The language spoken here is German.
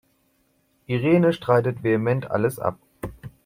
Irene streitet vehement alles ab.